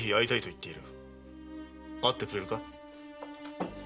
会ってくれるか？